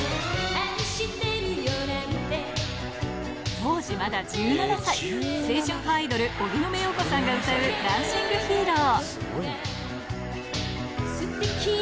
当時まだ１７歳、清純派アイドル、荻野目洋子さんが歌うダンシング・ヒーロー。